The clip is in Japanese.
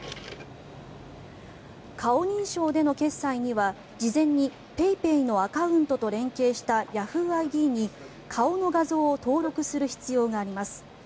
顔認証での決済には事前にＰａｙＰａｙのアカウントと連携したヤフーＩＤに顔の画像を登録する必要があります。